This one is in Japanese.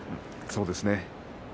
そうですね